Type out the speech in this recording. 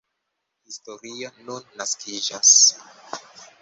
Historio nun naskiĝas.